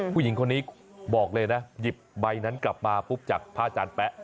ผู้หญิงคนนี้บอกเลยนะหยิบใบนั้นกลับมาปุ๊บจากพระอาจารย์แป๊ะ